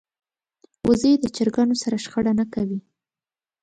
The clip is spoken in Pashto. وزې د چرګانو سره شخړه نه کوي